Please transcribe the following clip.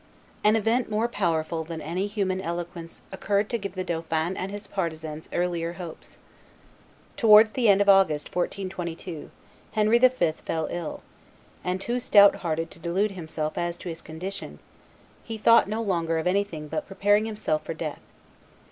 An event more powerful than any human eloquence occurred to give the dauphin and his partisans earlier hopes. Towards the end of August, 1422, Henry V. fell ill; and, too stout hearted to delude himself as to his condition, he thought no longer of anything but preparing himself for death.